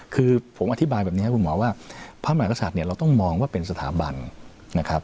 คือผมอธิบายแบบนี้ครับคุณหมอว่าพระมหากษัตริย์เนี่ยเราต้องมองว่าเป็นสถาบันนะครับ